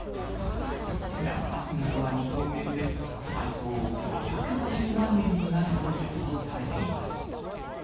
落札額は日本円で最高５５０万円になると予想されています。